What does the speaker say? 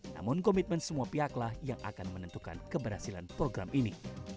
namun komitmen semua pihaklah yang akan menentukan keberhasilan program ini